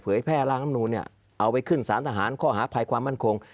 แพร่ร่างลำนูนเนี่ยเอาไปขึ้นสารทหารข้อหาภัยความมั่นคง